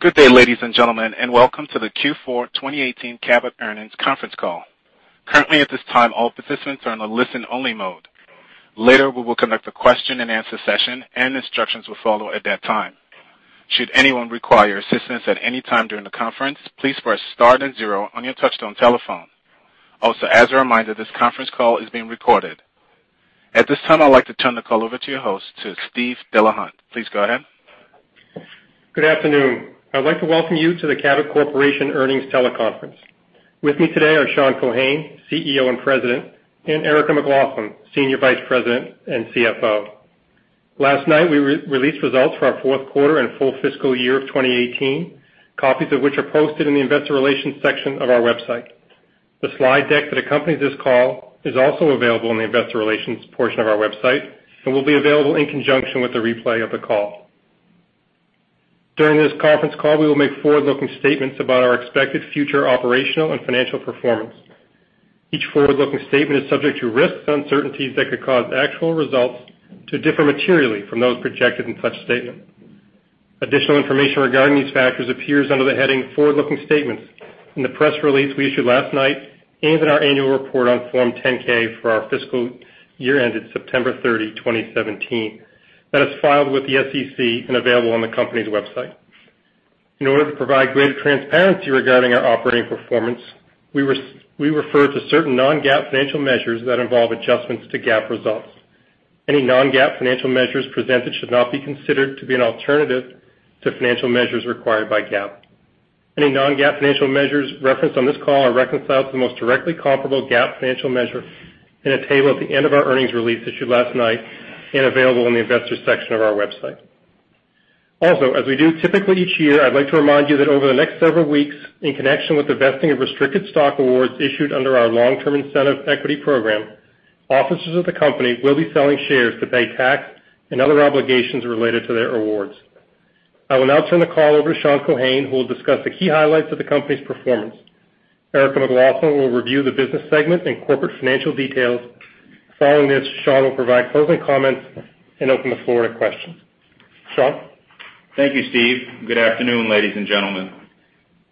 Good day, ladies and gentlemen, and welcome to the Q4 2018 Cabot Earnings Conference Call. Currently, at this time, all participants are in a listen-only mode. Later, we will conduct a question-and-answer session, and instructions will follow at that time. Should anyone require assistance at any time during the conference, please press star and zero on your touch-tone telephone. As a reminder, this conference call is being recorded. At this time, I'd like to turn the call over to your host, to Steve Delahunt. Please go ahead. Good afternoon. I'd like to welcome you to the Cabot Corporation Earnings Teleconference. With me today are Sean Keohane, CEO and President, and Erica McLaughlin, Senior Vice President and CFO. Last night, we released results for our fourth quarter and full fiscal year of 2018, copies of which are posted in the investor relations section of our website. The slide deck that accompanies this call is also available in the investor relations portion of our website and will be available in conjunction with the replay of the call. During this conference call, we will make forward-looking statements about our expected future operational and financial performance. Each forward-looking statement is subject to risks and uncertainties that could cause actual results to differ materially from those projected in such statement. Additional information regarding these factors appears under the heading Forward-Looking Statements in the press release we issued last night and in our annual report on Form 10-K for our fiscal year ended September 30, 2017, that is filed with the SEC and available on the company's website. In order to provide greater transparency regarding our operating performance, we refer to certain non-GAAP financial measures that involve adjustments to GAAP results. Any non-GAAP financial measures presented should not be considered to be an alternative to financial measures required by GAAP. Any non-GAAP financial measures referenced on this call are reconciled to the most directly comparable GAAP financial measure in a table at the end of our earnings release issued last night and available in the investor section of our website. As we do typically each year, I'd like to remind you that over the next several weeks, in connection with the vesting of restricted stock awards issued under our long-term incentive equity program, officers of the company will be selling shares to pay tax and other obligations related to their awards. I will now turn the call over to Sean Keohane, who will discuss the key highlights of the company's performance. Erica McLaughlin will review the business segment and corporate financial details. Following this, Sean will provide closing comments and open the floor to questions. Sean? Thank you, Steve. Good afternoon, ladies and gentlemen.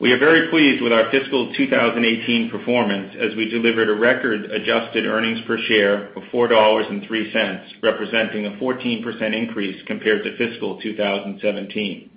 We are very pleased with our fiscal 2018 performance as we delivered a record-adjusted earnings per share of $4.03, representing a 14% increase compared to fiscal 2017.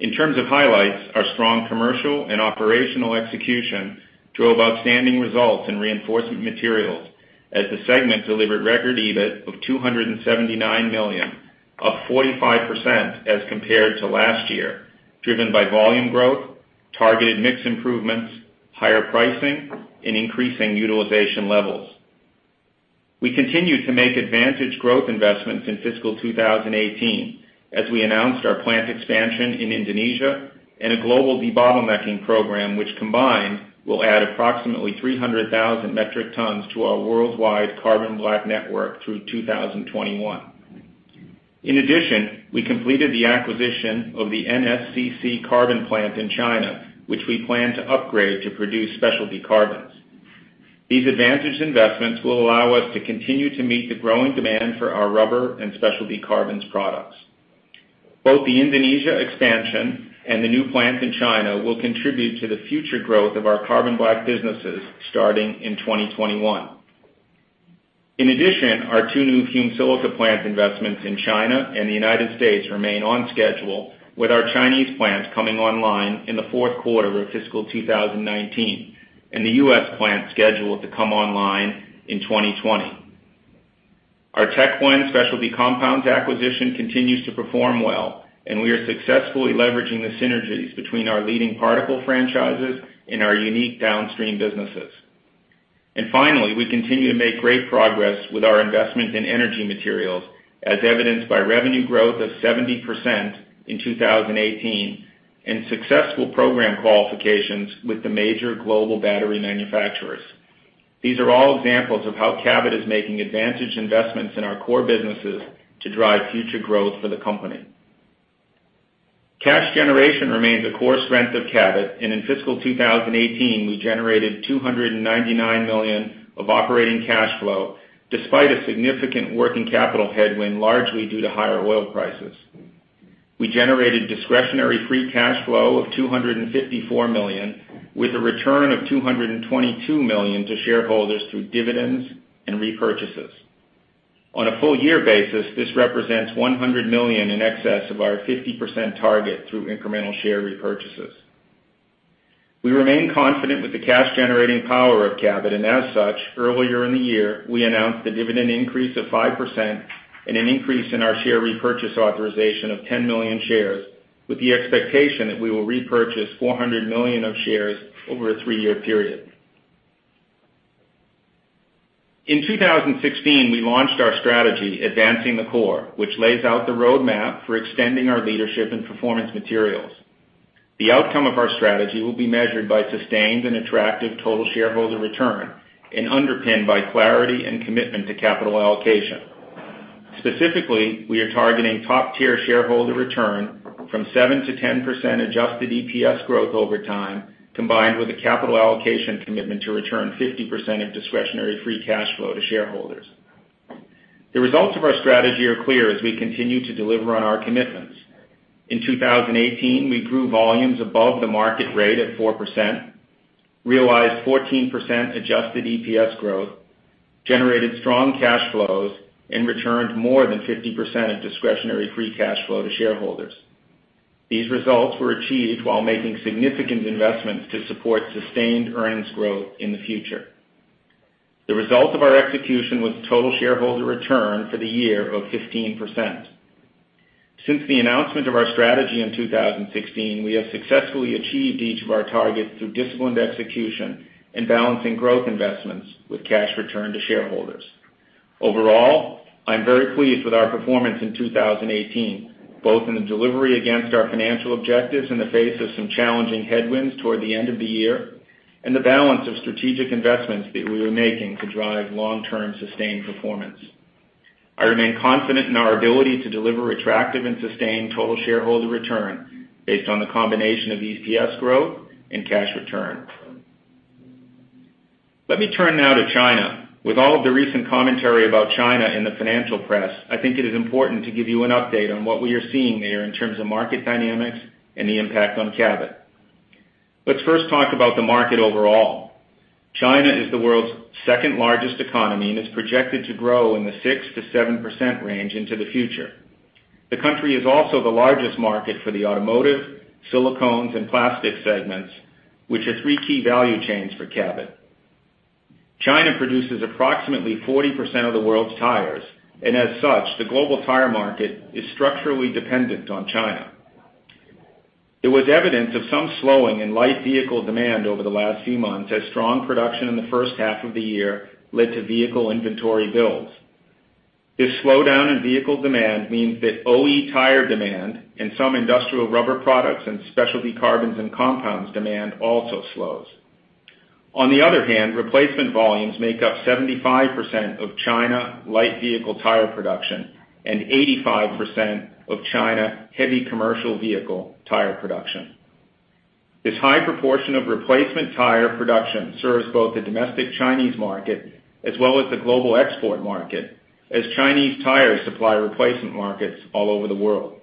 In terms of highlights, our strong commercial and operational execution drove outstanding results in Reinforcement Materials as the segment delivered record EBIT of $279 million, up 45% as compared to last year, driven by volume growth, targeted mix improvements, higher pricing, and increasing utilization levels. We continued to make advantage growth investments in fiscal 2018 as we announced our plant expansion in Indonesia and a global debottlenecking program, which combined will add approximately 300,000 metric tons to our worldwide carbon black network through 2021. In addition, we completed the acquisition of the NSCC Carbon plant in China, which we plan to upgrade to produce specialty carbons. These advantage investments will allow us to continue to meet the growing demand for our rubber and specialty carbons products. Both the Indonesia expansion and the new plant in China will contribute to the future growth of our carbon black businesses starting in 2021. In addition, our two new fumed silica plant investments in China and the U.S. remain on schedule, with our Chinese plants coming online in the fourth quarter of fiscal 2019 and the U.S. plant scheduled to come online in 2020. Our Tech Blend Specialty Compounds acquisition continues to perform well, and we are successfully leveraging the synergies between our leading particle franchises and our unique downstream businesses. Finally, we continue to make great progress with our investment in Energy Materials, as evidenced by revenue growth of 70% in 2018 and successful program qualifications with the major global battery manufacturers. These are all examples of how Cabot is making advantage investments in our core businesses to drive future growth for the company. Cash generation remains a core strength of Cabot, and in fiscal 2018, we generated $299 million of operating cash flow, despite a significant working capital headwind largely due to higher oil prices. We generated discretionary free cash flow of $254 million, with a return of $222 million to shareholders through dividends and repurchases. On a full year basis, this represents $100 million in excess of our 50% target through incremental share repurchases. We remain confident with the cash-generating power of Cabot, and as such, earlier in the year, we announced a dividend increase of 5% and an increase in our share repurchase authorization of 10 million shares, with the expectation that we will repurchase $400 million of shares over a three-year period. In 2016, we launched our strategy, Advancing the Core, which lays out the roadmap for extending our leadership in performance materials. The outcome of our strategy will be measured by sustained and attractive total shareholder return and underpinned by clarity and commitment to capital allocation. Specifically, we are targeting top-tier shareholder return from 7%-10% adjusted EPS growth over time, combined with a capital allocation commitment to return 50% of discretionary free cash flow to shareholders. The results of our strategy are clear as we continue to deliver on our commitments. In 2018, we grew volumes above the market rate at 4%, realized 14% adjusted EPS growth, generated strong cash flows, and returned more than 50% of discretionary free cash flow to shareholders. These results were achieved while making significant investments to support sustained earnings growth in the future. The result of our execution was total shareholder return for the year of 15%. Since the announcement of our strategy in 2016, we have successfully achieved each of our targets through disciplined execution and balancing growth investments with cash return to shareholders. Overall, I am very pleased with our performance in 2018, both in the delivery against our financial objectives in the face of some challenging headwinds toward the end of the year, and the balance of strategic investments that we are making to drive long-term sustained performance. I remain confident in our ability to deliver attractive and sustained total shareholder return based on the combination of EPS growth and cash return. Let me turn now to China. With all of the recent commentary about China in the financial press, I think it is important to give you an update on what we are seeing there in terms of market dynamics and the impact on Cabot. Let's first talk about the market overall. China is the world's second-largest economy and is projected to grow in the 6%-7% range into the future. The country is also the largest market for the automotive, silicones, and plastics segments, which are three key value chains for Cabot. China produces approximately 40% of the world's tires, and as such, the global tire market is structurally dependent on China. There was evidence of some slowing in light vehicle demand over the last few months as strong production in the first half of the year led to vehicle inventory builds. This slowdown in vehicle demand means that OE tire demand and some industrial rubber products and specialty carbons and compounds demand also slows. On the other hand, replacement volumes make up 75% of China light vehicle tire production and 85% of China heavy commercial vehicle tire production. This high proportion of replacement tire production serves both the domestic Chinese market as well as the global export market, as Chinese tires supply replacement markets all over the world.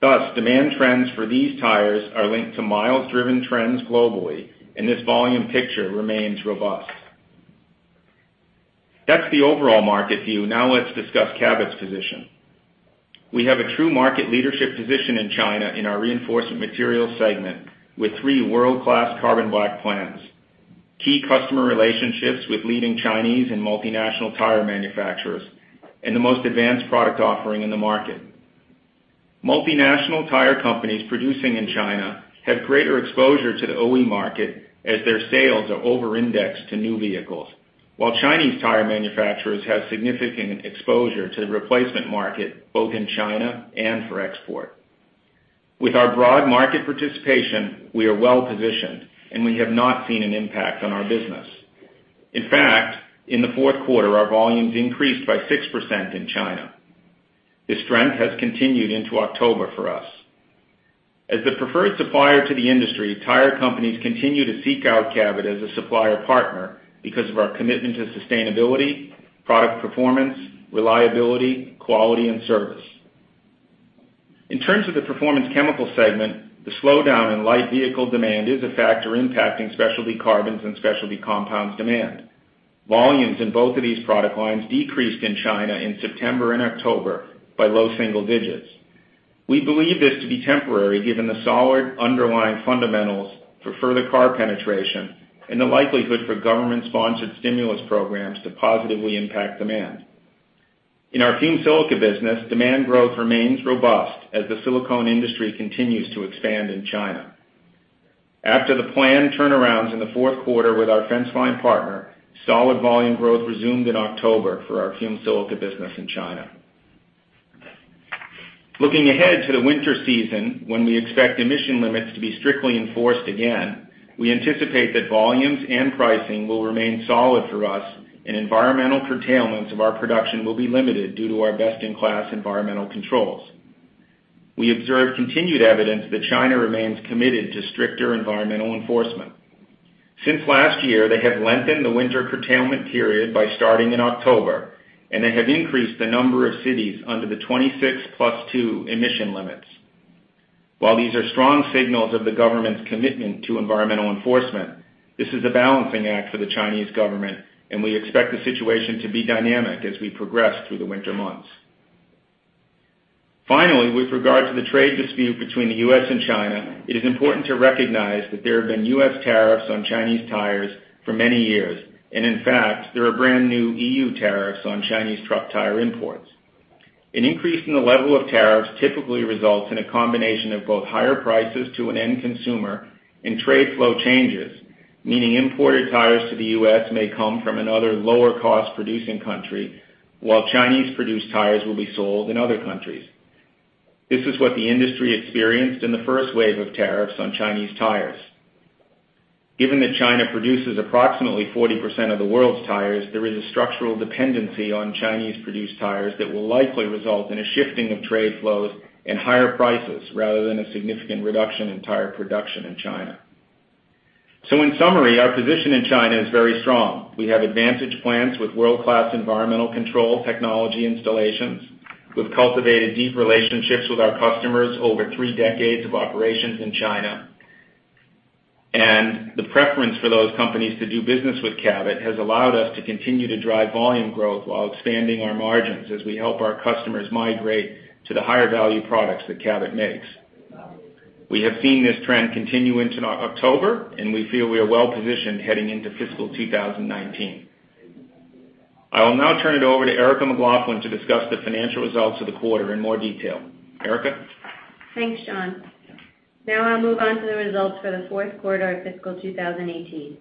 Thus, demand trends for these tires are linked to miles-driven trends globally, and this volume picture remains robust. That's the overall market view. Now let's discuss Cabot's position. We have a true market leadership position in China in our Reinforcement Materials segment with three world-class carbon black plants, key customer relationships with leading Chinese and multinational tire manufacturers, and the most advanced product offering in the market. Multinational tire companies producing in China have greater exposure to the OE market as their sales are over-indexed to new vehicles, while Chinese tire manufacturers have significant exposure to the replacement market, both in China and for export. With our broad market participation, we are well-positioned, and we have not seen an impact on our business. In fact, in the fourth quarter, our volumes increased by 6% in China. This trend has continued into October for us. As the preferred supplier to the industry, tire companies continue to seek out Cabot as a supplier partner because of our commitment to sustainability, product performance, reliability, quality, and service. In terms of the Performance Chemicals segment, the slowdown in light vehicle demand is a factor impacting specialty carbons and specialty compounds demand. Volumes in both of these product lines decreased in China in September and October by low single digits. We believe this to be temporary given the solid underlying fundamentals for further car penetration and the likelihood for government-sponsored stimulus programs to positively impact demand. In our fumed silica business, demand growth remains robust as the silicone industry continues to expand in China. After the planned turnarounds in the fourth quarter with our fence line partner, solid volume growth resumed in October for our fumed silica business in China. Looking ahead to the winter season, when we expect emission limits to be strictly enforced again, we anticipate that volumes and pricing will remain solid for us, and environmental curtailments of our production will be limited due to our best-in-class environmental controls. We observe continued evidence that China remains committed to stricter environmental enforcement. Since last year, they have lengthened the winter curtailment period by starting in October. They have increased the number of cities under the 26+2 emission limits. While these are strong signals of the government's commitment to environmental enforcement, this is a balancing act for the Chinese government. We expect the situation to be dynamic as we progress through the winter months. Finally, with regard to the trade dispute between the U.S. and China, it is important to recognize that there have been U.S. tariffs on Chinese tires for many years. In fact, there are brand-new EU tariffs on Chinese truck tire imports. An increase in the level of tariffs typically results in a combination of both higher prices to an end consumer and trade flow changes, meaning imported tires to the U.S. may come from another lower-cost producing country while Chinese-produced tires will be sold in other countries. This is what the industry experienced in the first wave of tariffs on Chinese tires. Given that China produces approximately 40% of the world's tires, there is a structural dependency on Chinese-produced tires that will likely result in a shifting of trade flows and higher prices rather than a significant reduction in tire production in China. So in summary, our position in China is very strong. We have advantage plants with world-class environmental control technology installations. We've cultivated deep relationships with our customers over three decades of operations in China. The preference for those companies to do business with Cabot has allowed us to continue to drive volume growth while expanding our margins as we help our customers migrate to the higher value products that Cabot makes. We have seen this trend continue into October, and we feel we are well positioned heading into fiscal 2019. I will now turn it over to Erica McLaughlin to discuss the financial results of the quarter in more detail. Erica? Thanks, Sean. Now I'll move on to the results for the fourth quarter of fiscal 2018.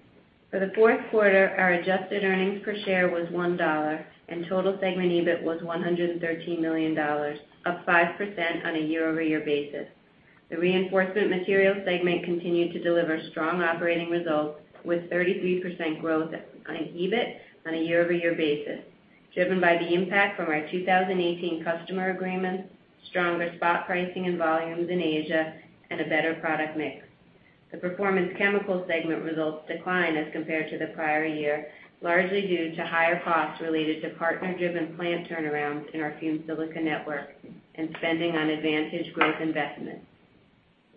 For the fourth quarter, our adjusted earnings per share was $1, and total segment EBIT was $113 million, up 5% on a year-over-year basis. The Reinforcement Materials segment continued to deliver strong operating results, with 33% growth on EBIT on a year-over-year basis, driven by the impact from our 2018 customer agreements, stronger spot pricing and volumes in Asia, and a better product mix. The Performance Chemicals segment results declined as compared to the prior year, largely due to higher costs related to partner-driven plant turnarounds in our fumed silica network and spending on advantage growth investments.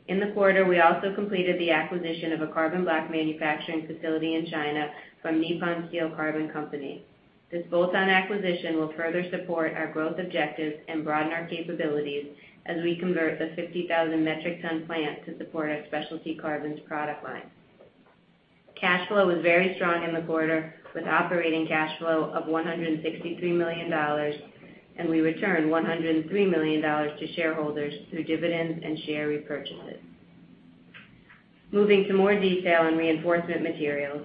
In the quarter, we also completed the acquisition of a carbon black manufacturing facility in China from Nippon Steel Carbon Company. This bolt-on acquisition will further support our growth objectives and broaden our capabilities as we convert the 50,000 metric ton plant to support our specialty carbons product line. Cash flow was very strong in the quarter, with operating cash flow of $163 million, and we returned $103 million to shareholders through dividends and share repurchases. Moving to more detail in Reinforcement Materials,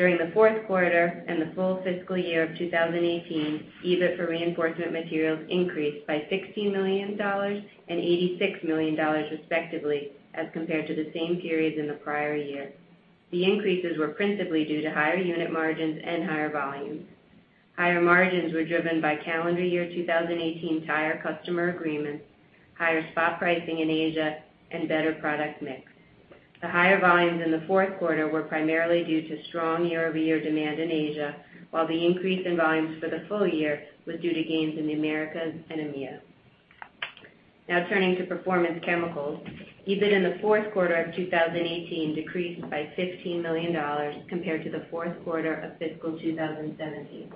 during the fourth quarter and the full fiscal year of 2018, EBIT for Reinforcement Materials increased by $16 million and $86 million respectively, as compared to the same periods in the prior year. The increases were principally due to higher unit margins and higher volumes. Higher margins were driven by calendar year 2018 tire customer agreements, higher spot pricing in Asia, and better product mix. The higher volumes in the fourth quarter were primarily due to strong year-over-year demand in Asia, while the increase in volumes for the full year was due to gains in the Americas and EMEA. Now turning to Performance Chemicals. EBIT in the fourth quarter of 2018 decreased by $15 million compared to the fourth quarter of fiscal 2017.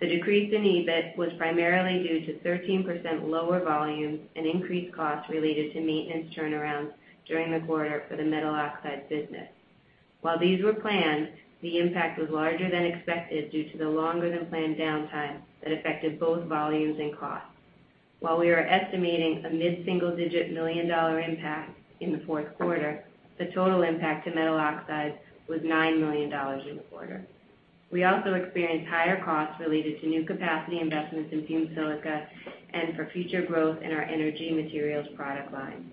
The decrease in EBIT was primarily due to 13% lower volumes and increased costs related to maintenance turnarounds during the quarter for the metal oxides business. While these were planned, the impact was larger than expected due to the longer than planned downtime that affected both volumes and costs. While we are estimating a mid-single-digit million-dollar impact in the fourth quarter, the total impact to metal oxides was $9 million in the quarter. We also experienced higher costs related to new capacity investments in fumed silica and for future growth in our Energy Materials product line.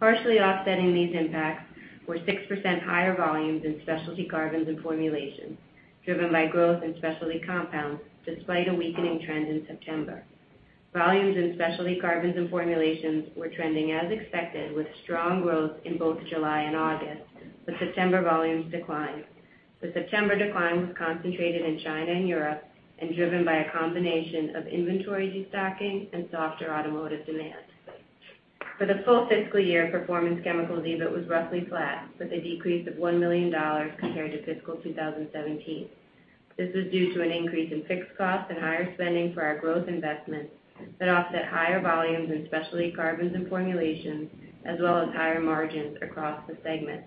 Partially offsetting these impacts were 6% higher volumes in Specialty Carbons and Formulations, driven by growth in specialty compounds despite a weakening trend in September. Volumes in Specialty Carbons and Formulations were trending as expected, with strong growth in both July and August, with September volumes decline. The September decline was concentrated in China and Europe and driven by a combination of inventory destocking and softer automotive demand. For the full fiscal year Performance Chemicals EBIT was roughly flat, with a decrease of $1 million compared to fiscal 2017. This was due to an increase in fixed costs and higher spending for our growth investments that offset higher volumes in Specialty Carbons and Formulations, as well as higher margins across the segment.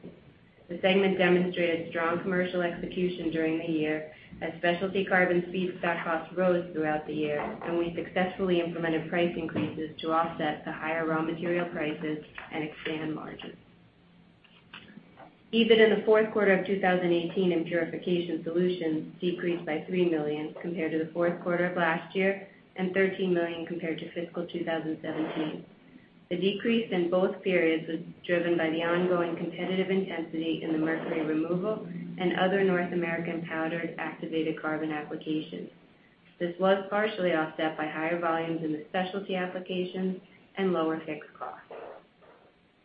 The segment demonstrated strong commercial execution during the year as specialty carbon feedstock costs rose throughout the year, we successfully implemented price increases to offset the higher raw material prices and expand margins. EBIT in the fourth quarter of 2018 in Purification Solutions decreased by $3 million compared to the fourth quarter of last year, and $13 million compared to fiscal 2017. The decrease in both periods was driven by the ongoing competitive intensity in the mercury removal and other North American powdered activated carbon applications. This was partially offset by higher volumes in the specialty applications and lower fixed costs.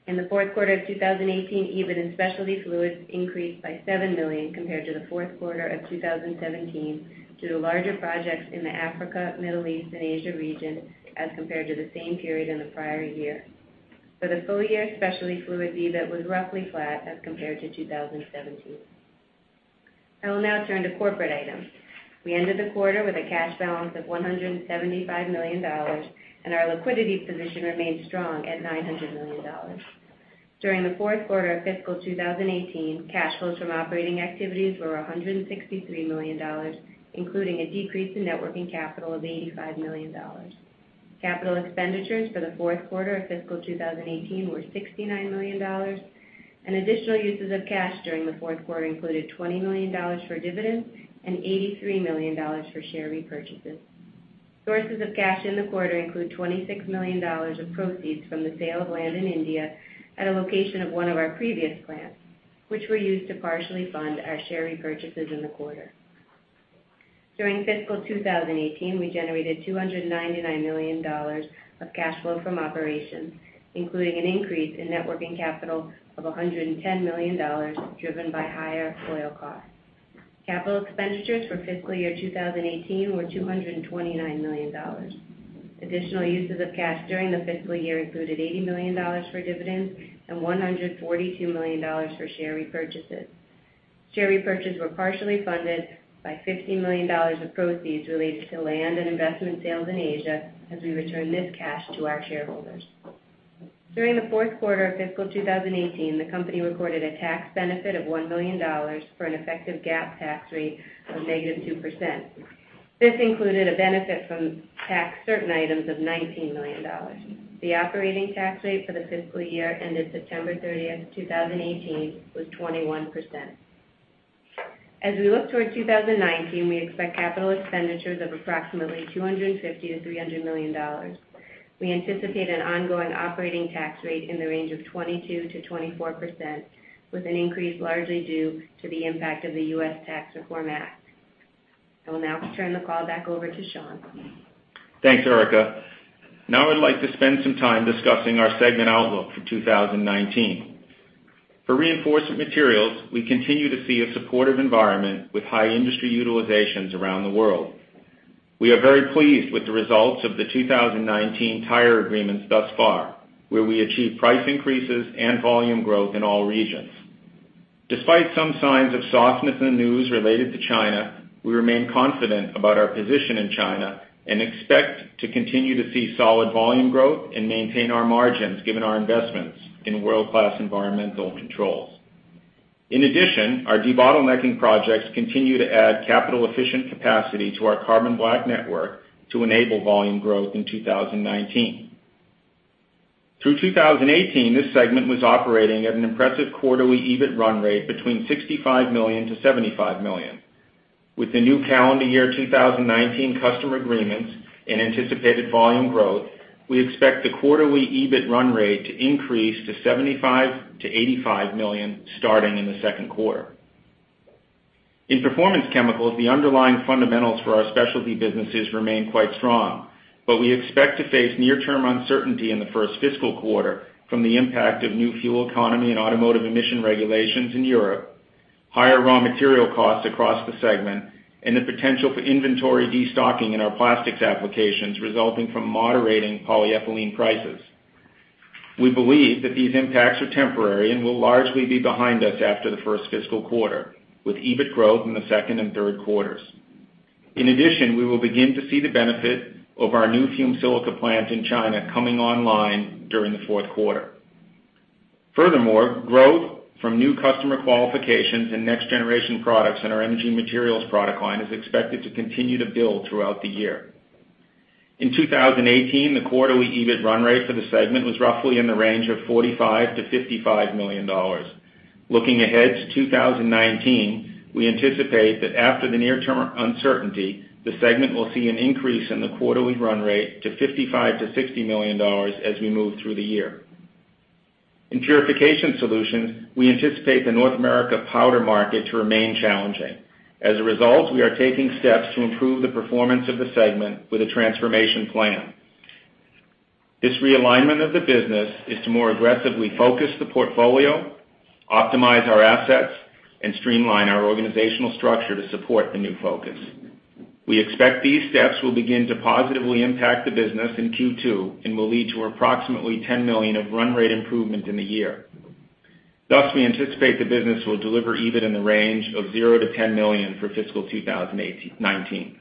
In the fourth quarter of 2018, EBIT in Specialty Fluids increased by $7 million compared to the fourth quarter of 2017 due to larger projects in the Africa, Middle East, and Asia region as compared to the same period in the prior year. For the full year, Specialty Fluids EBIT was roughly flat as compared to 2017. I will now turn to corporate items. We ended the quarter with a cash balance of $175 million, and our liquidity position remains strong at $900 million. During the fourth quarter of fiscal 2018, cash flows from operating activities were $163 million, including a decrease in net working capital of $85 million. Capital expenditures for the fourth quarter of fiscal 2018 were $69 million, and additional uses of cash during the fourth quarter included $20 million for dividends and $83 million for share repurchases. Sources of cash in the quarter include $26 million of proceeds from the sale of land in India at a location of one of our previous plants, which were used to partially fund our share repurchases in the quarter. During fiscal 2018, we generated $299 million of cash flow from operations, including an increase in net working capital of $110 million driven by higher oil costs. Capital expenditures for fiscal year 2018 were $229 million. Additional uses of cash during the fiscal year included $80 million for dividends and $142 million for share repurchases. Share repurchases were partially funded by $50 million of proceeds related to land and investment sales in Asia, as we returned this cash to our shareholders. During the fourth quarter of fiscal 2018, the company recorded a tax benefit of $1 million for an effective GAAP tax rate of negative 2%. This included a benefit from tax certain items of $19 million. The operating tax rate for the fiscal year ended September 30th, 2018, was 21%. As we look toward 2019, we expect capital expenditures of approximately $250 million to $300 million. We anticipate an ongoing operating tax rate in the range of 22%-24%, with an increase largely due to the impact of the US Tax Reform Act. I will now turn the call back over to Sean. Thanks, Erica. I'd like to spend some time discussing our segment outlook for 2019. For Reinforcement Materials, we continue to see a supportive environment with high industry utilizations around the world. We are very pleased with the results of the 2019 tire agreements thus far, where we achieved price increases and volume growth in all regions. Despite some signs of softness in the news related to China, we remain confident about our position in China and expect to continue to see solid volume growth and maintain our margins, given our investments in world-class environmental controls. In addition, our debottlenecking projects continue to add capital-efficient capacity to our carbon black network to enable volume growth in 2019. Through 2018, this segment was operating at an impressive quarterly EBIT run rate between $65 million-$75 million. With the new calendar year 2019 customer agreements and anticipated volume growth, we expect the quarterly EBIT run rate to increase to $75 million-$85 million starting in the second quarter. In Performance Chemicals, the underlying fundamentals for our specialty businesses remain quite strong. We expect to face near-term uncertainty in the first fiscal quarter from the impact of new fuel economy and automotive emission regulations in Europe, higher raw material costs across the segment, and the potential for inventory destocking in our plastics applications resulting from moderating polyethylene prices. We believe that these impacts are temporary and will largely be behind us after the first fiscal quarter, with EBIT growth in the second and third quarters. In addition, we will begin to see the benefit of our new fumed silica plant in China coming online during the fourth quarter. Furthermore, growth from new customer qualifications and next-generation products in our Energy Materials product line is expected to continue to build throughout the year. In 2018, the quarterly EBIT run rate for the segment was roughly in the range of $45 million-$55 million. Looking ahead to 2019, we anticipate that after the near-term uncertainty, the segment will see an increase in the quarterly run rate to $55 million-$60 million as we move through the year. In Purification Solutions, we anticipate the North America powder market to remain challenging. As a result, we are taking steps to improve the performance of the segment with a transformation plan. This realignment of the business is to more aggressively focus the portfolio, optimize our assets, and streamline our organizational structure to support the new focus. We expect these steps will begin to positively impact the business in Q2 and will lead to approximately $10 million of run rate improvement in the year. Thus, we anticipate the business will deliver EBIT in the range of $0-$10 million for fiscal 2019.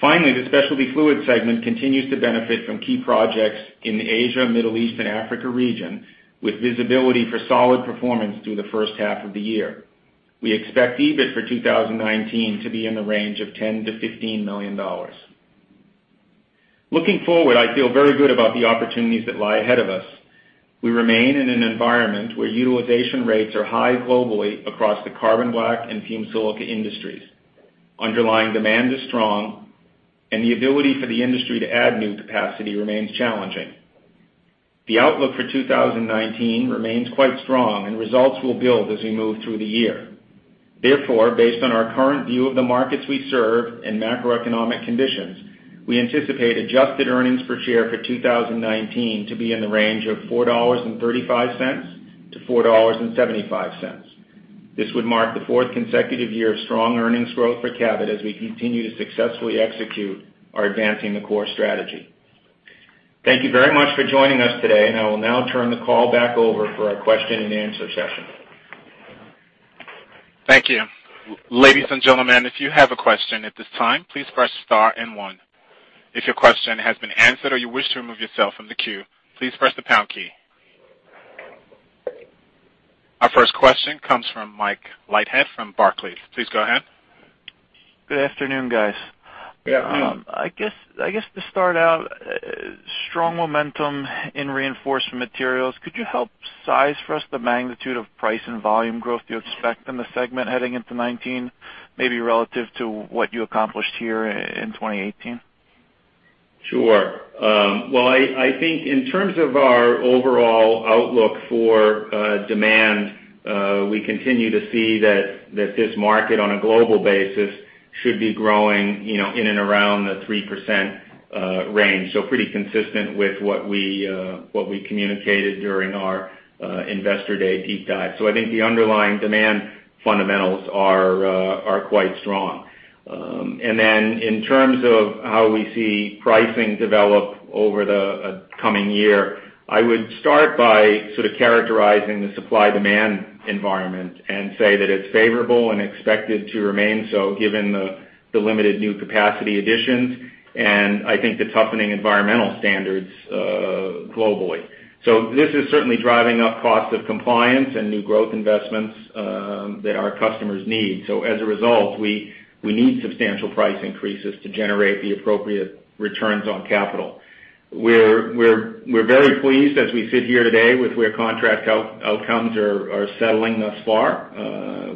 Finally, the Specialty Fluids segment continues to benefit from key projects in the Asia, Middle East, and Africa region, with visibility for solid performance through the first half of the year. We expect EBIT for 2019 to be in the range of $10 million-$15 million. Looking forward, I feel very good about the opportunities that lie ahead of us. We remain in an environment where utilization rates are high globally across the carbon black and fumed silica industries. Underlying demand is strong, and the ability for the industry to add new capacity remains challenging. The outlook for 2019 remains quite strong, and results will build as we move through the year. Therefore, based on our current view of the markets we serve and macroeconomic conditions, we anticipate adjusted earnings per share for 2019 to be in the range of $4.35-$4.75. This would mark the fourth consecutive year of strong earnings growth for Cabot as we continue to successfully execute our Advancing the Core strategy. Thank you very much for joining us today. I will now turn the call back over for our question and answer session. Thank you. Ladies and gentlemen, if you have a question at this time, please press star and one. If your question has been answered or you wish to remove yourself from the queue, please press the pound key. Our first question comes from Mike Leithead from Barclays. Please go ahead. Good afternoon, guys. Good afternoon. I guess to start out, strong momentum in Reinforcement Materials. Could you help size for us the magnitude of price and volume growth you expect in the segment heading into 2019, maybe relative to what you accomplished here in 2018? Sure. Well, I think in terms of our overall outlook for demand, we continue to see that this market, on a global basis, should be growing in and around the 3% range. Pretty consistent with what we communicated during our Investor Day deep dive. I think the underlying demand fundamentals are quite strong. In terms of how we see pricing develop over the coming year, I would start by characterizing the supply-demand environment and say that it's favorable and expected to remain so given the limited new capacity additions and I think the toughening environmental standards globally. This is certainly driving up costs of compliance and new growth investments that our customers need. As a result, we need substantial price increases to generate the appropriate returns on capital. We're very pleased as we sit here today with where contract outcomes are settling thus far.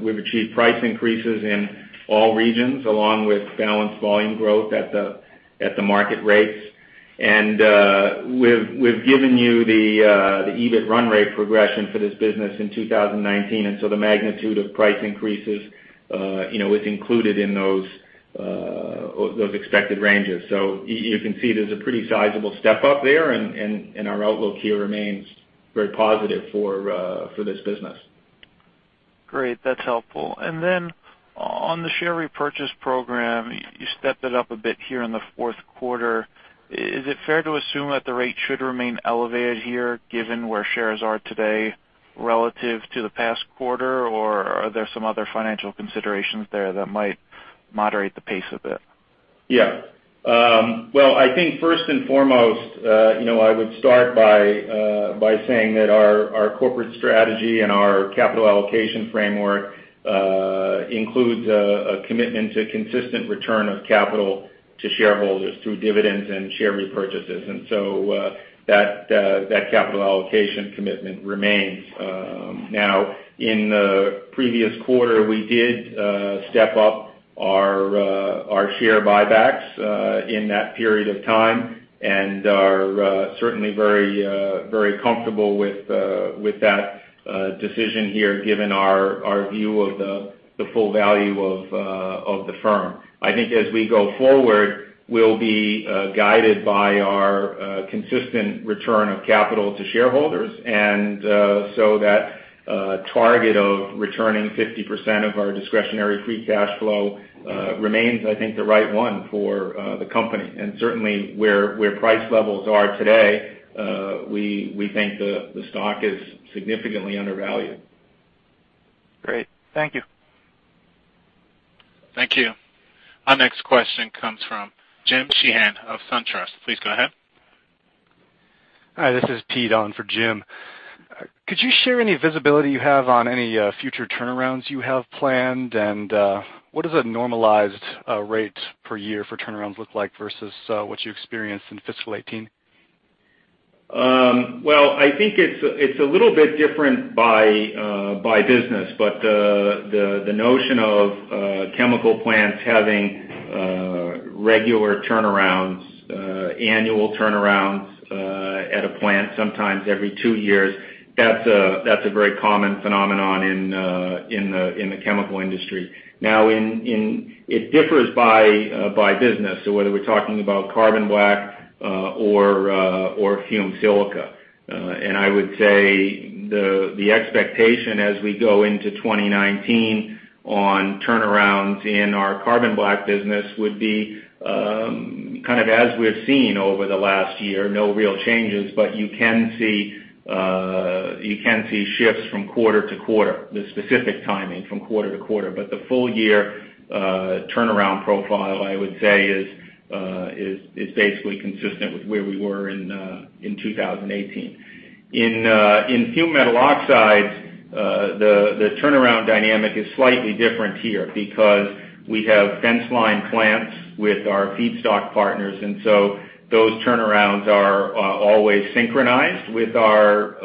We've achieved price increases in all regions, along with balanced volume growth at the market rates. We've given you the EBIT run rate progression for this business in 2019. The magnitude of price increases is included in those expected ranges. You can see there's a pretty sizable step up there, and our outlook here remains very positive for this business. Great. That's helpful. On the share repurchase program, you stepped it up a bit here in the fourth quarter. Is it fair to assume that the rate should remain elevated here, given where shares are today relative to the past quarter? Or are there some other financial considerations there that might moderate the pace a bit? Well, I think first and foremost I would start by saying that our corporate strategy and our capital allocation framework includes a commitment to consistent return of capital to shareholders through dividends and share repurchases. That capital allocation commitment remains. Now, in the previous quarter, we did step up our share buybacks in that period of time and are certainly very comfortable with that decision here given our view of the full value of the firm. I think as we go forward, we'll be guided by our consistent return of capital to shareholders. That target of returning 50% of our discretionary free cash flow remains, I think, the right one for the company. Certainly where price levels are today, we think the stock is significantly undervalued. Great. Thank you. Thank you. Our next question comes from Jim Sheehan of SunTrust. Please go ahead. Hi, this is Pete on for Jim. Could you share any visibility you have on any future turnarounds you have planned? What does a normalized rate per year for turnarounds look like versus what you experienced in fiscal 2018? I think it's a little bit different by business, but the notion of chemical plants having regular turnarounds, annual turnarounds at a plant, sometimes every two years, that's a very common phenomenon in the chemical industry. Now, it differs by business, so whether we're talking about carbon black or fumed silica. I would say the expectation as we go into 2019 on turnarounds in our carbon black business would be as we've seen over the last year, no real changes, but you can see shifts from quarter to quarter, the specific timing from quarter to quarter. The full year turnaround profile, I would say is basically consistent with where we were in 2018. In fumed metal oxides, the turnaround dynamic is slightly different here because we have fence line plants with our feedstock partners, those turnarounds are always synchronized with our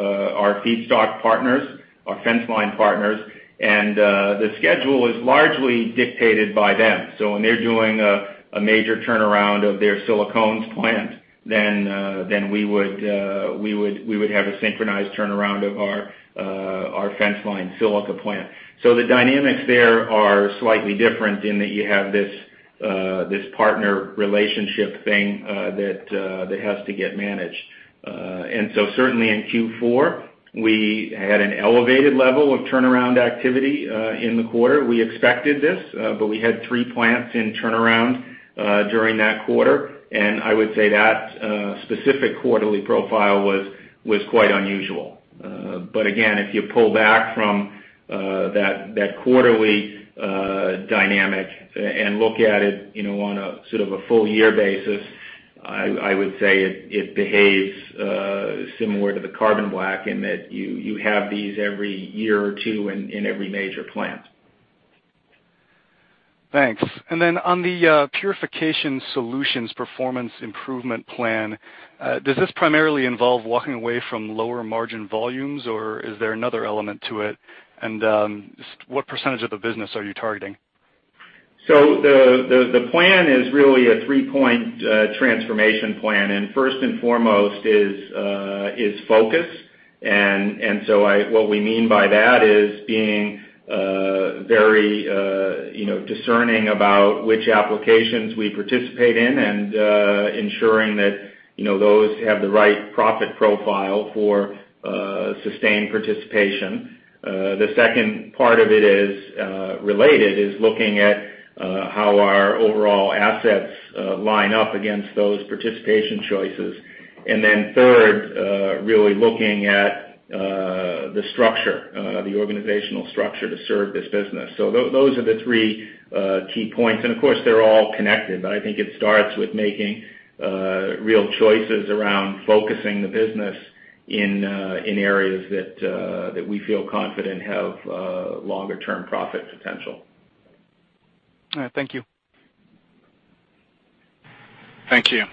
feedstock partners, our fence line partners, and the schedule is largely dictated by them. When they're doing a major turnaround of their silicones plant, we would have a synchronized turnaround of our fence line silica plant. The dynamics there are slightly different in that you have this partner relationship thing that has to get managed. Certainly in Q4, we had an elevated level of turnaround activity in the quarter. We expected this, but we had three plants in turnaround during that quarter. I would say that specific quarterly profile was quite unusual. Again, if you pull back from that quarterly dynamic and look at it on a full year basis, I would say it behaves similar to the carbon black in that you have these every year or two in every major plant. Thanks. On the Purification Solutions performance improvement plan, does this primarily involve walking away from lower margin volumes, or is there another element to it? Just what % of the business are you targeting? The plan is really a three-point transformation plan. First and foremost is focus. What we mean by that is being very discerning about which applications we participate in and ensuring that those have the right profit profile for sustained participation. The second part of it is related, is looking at how our overall assets line up against those participation choices. Third, really looking at the structure, the organizational structure to serve this business. Those are the three key points. Of course, they're all connected, but I think it starts with making real choices around focusing the business in areas that we feel confident have longer-term profit potential. All right, thank you. Thank you.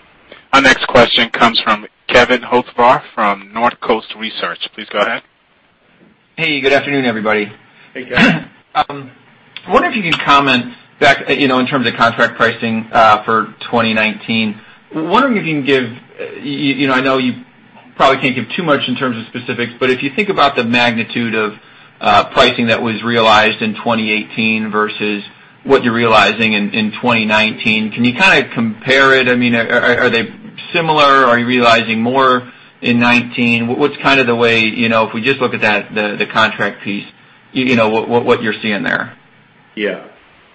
Our next question comes from Kevin Hocevar from Northcoast Research. Please go ahead. Hey, good afternoon, everybody. Hey, Kevin. I wonder if you could comment back, in terms of contract pricing for 2019. I know you probably can't give too much in terms of specifics, but if you think about the magnitude of pricing that was realized in 2018 versus what you're realizing in 2019, can you kind of compare it? I mean, are they similar? Are you realizing more in 2019? What's kind of the way, if we just look at the contract piece, what you're seeing there?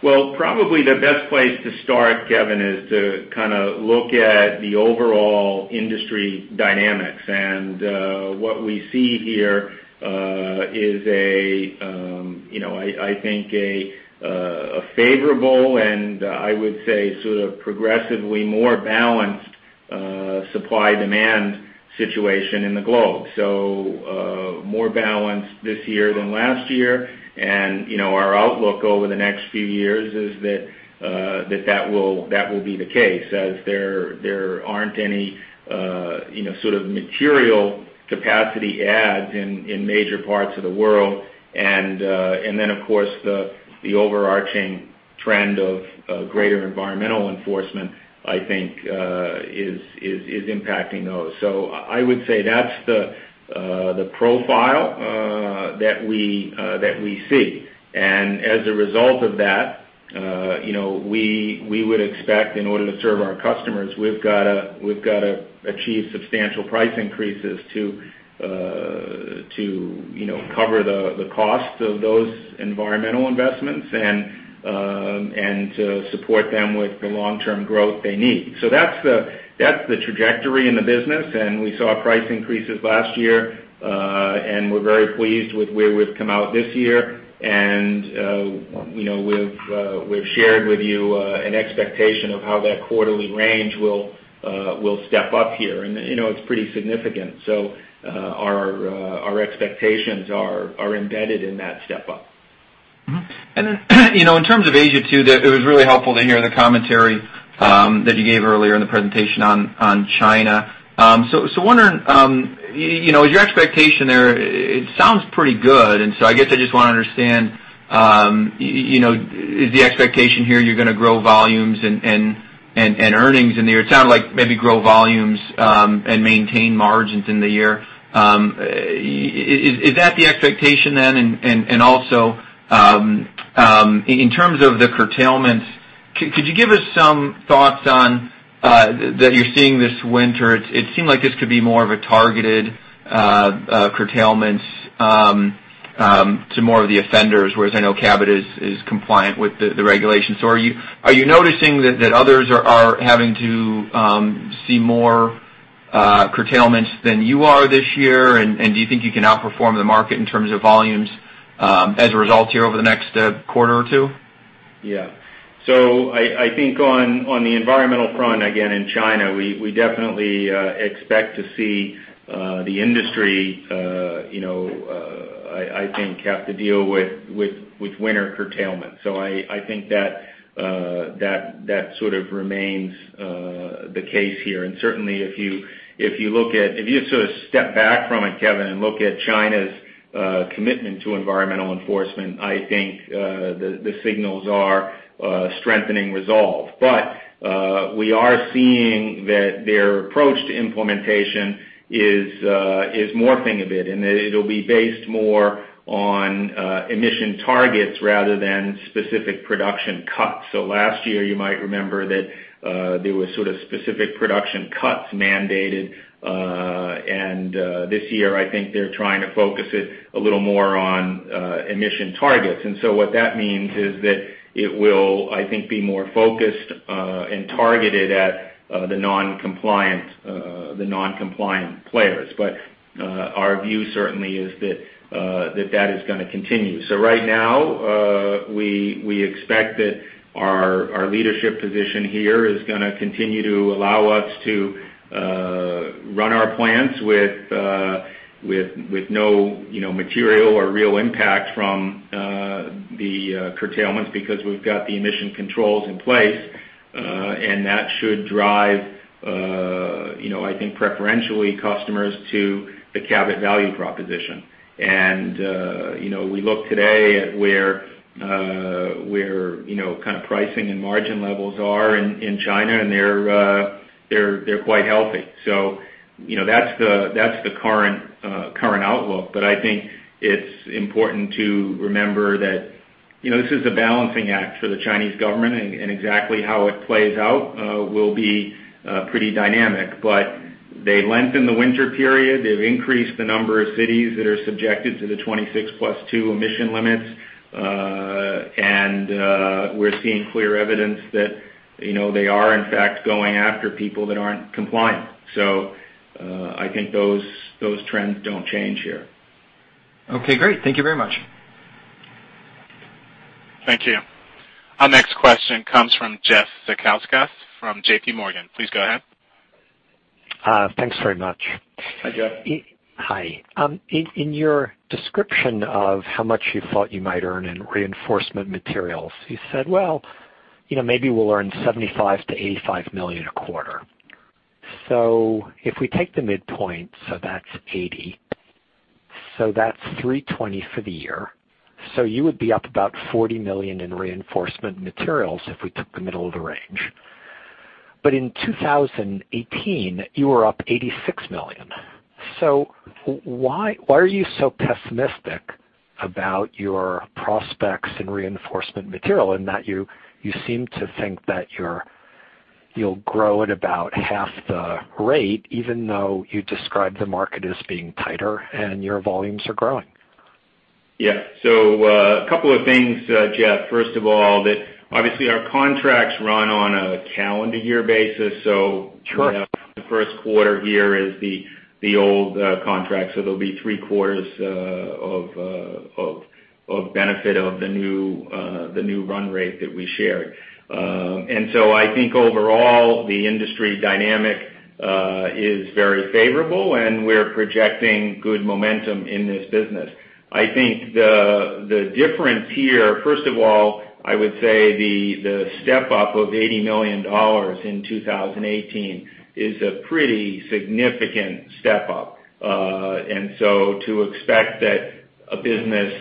Well, probably the best place to start, Kevin, is to kind of look at the overall industry dynamics. What we see here is a, I think a favorable and, I would say, sort of progressively more balanced supply-demand situation in the globe. More balanced this year than last year. Our outlook over the next few years is that that will be the case, as there aren't any sort of material capacity adds in major parts of the world. Then, of course, the overarching trend of greater environmental enforcement, I think, is impacting those. I would say that's the profile that we see. As a result of that, we would expect in order to serve our customers, we've got to achieve substantial price increases to cover the cost of those environmental investments, and to support them with the long-term growth they need. That's the trajectory in the business, and we saw price increases last year. We're very pleased with where we've come out this year. We've shared with you an expectation of how that quarterly range will step up here. It's pretty significant. Our expectations are embedded in that step-up. In terms of Asia too, it was really helpful to hear the commentary that you gave earlier in the presentation on China. I was wondering, your expectation there, it sounds pretty good, and I guess I just want to understand, is the expectation here you're gonna grow volumes and earnings in there? It sounded like maybe grow volumes and maintain margins in the year. Is that the expectation, then? In terms of the curtailments, could you give us some thoughts on that you're seeing this winter? It seemed like this could be more of a targeted curtailment to more of the offenders, whereas I know Cabot is compliant with the regulations. Are you noticing that others are having to see more curtailments than you are this year? Do you think you can outperform the market in terms of volumes as a result here over the next quarter or two? I think on the environmental front, again, in China, we definitely expect to see the industry, I think, have to deal with winter curtailment. I think that sort of remains the case here. Certainly if you sort of step back from it, Kevin, and look at China's commitment to environmental enforcement, I think the signals are strengthening resolve. We are seeing that their approach to implementation is morphing a bit, and that it'll be based more on emission targets rather than specific production cuts. Last year, you might remember that there were sort of specific production cuts mandated. This year, I think they're trying to focus it a little more on emission targets. What that means is that it will, I think, be more focused and targeted at the non-compliant players. Our view certainly is that that is gonna continue. Right now, we expect that our leadership position here is gonna continue to allow us to run our plants with no material or real impact from the curtailments because we've got the emission controls in place. That should drive, I think, preferentially, customers to the Cabot value proposition. We look today at where kind of pricing and margin levels are in China, and they're quite healthy. That's the current outlook. I think it's important to remember that this is a balancing act for the Chinese government, and exactly how it plays out will be pretty dynamic. They lengthened the winter period, they've increased the number of cities that are subjected to the 26+2 emission limits, and we're seeing clear evidence that they are, in fact, going after people that aren't compliant. I think those trends don't change here. Okay, great. Thank you very much. Thank you. Our next question comes from Jeff Zekauskas from JPMorgan. Please go ahead. Thanks very much. Hi, Jeff. Hi. In your description of how much you thought you might earn in Reinforcement Materials, you said, "Well, maybe we'll earn $75 million-$85 million a quarter." If we take the midpoint, that's $80 million. That's $320 million for the year. You would be up about $40 million in Reinforcement Materials if we took the middle of the range. In 2018, you were up $86 million. Why are you so pessimistic about your prospects in Reinforcement Materials, in that you seem to think that you'll grow at about half the rate, even though you describe the market as being tighter and your volumes are growing? Yeah. A couple of things, Jeff. First of all, obviously our contracts run on a calendar year basis. Sure The first quarter here is the old contract, so there'll be 3 quarters of benefit of the new run rate that we shared. I think overall, the industry dynamic is very favorable, and we're projecting good momentum in this business. I think the difference here, first of all, I would say the step up of $80 million in 2018 is a pretty significant step up. To expect that a business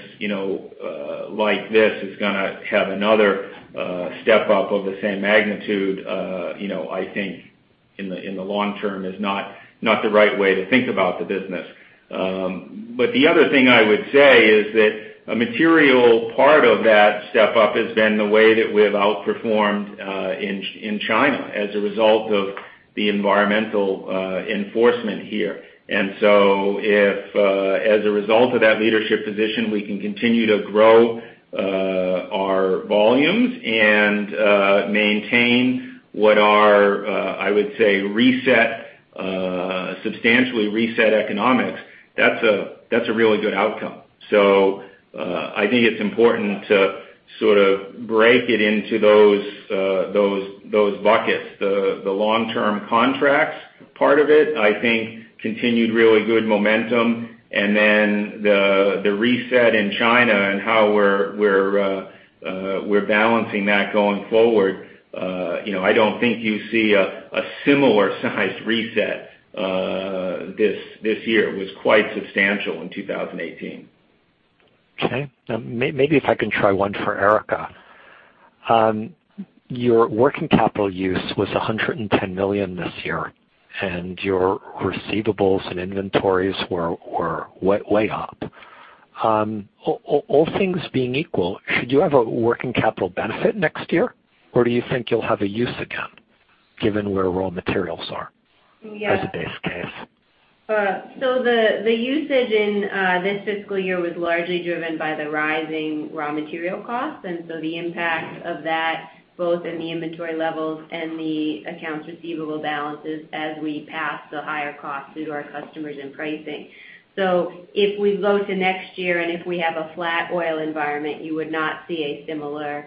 like this is going to have another step up of the same magnitude, I think, in the long term is not the right way to think about the business. The other thing I would say is that a material part of that step up has been the way that we have outperformed in China as a result of the environmental enforcement here. If, as a result of that leadership position, we can continue to grow our volumes and maintain what are, I would say, substantially reset economics, that's a really good outcome. I think it's important to sort of break it into those buckets. The long-term contracts part of it, I think, continued really good momentum. The reset in China and how we're balancing that going forward, I don't think you see a similar size reset this year. It was quite substantial in 2018. Okay. Maybe if I can try one for Erica. Your working capital use was $110 million this year, and your receivables and inventories were way up. All things being equal, should you have a working capital benefit next year, or do you think you'll have a use again, given where raw materials are as a base case? The usage in this fiscal year was largely driven by the rising raw material costs, and the impact of that, both in the inventory levels and the accounts receivable balances as we pass the higher cost through to our customers in pricing. If we go to next year and if we have a flat oil environment, you would not see a similar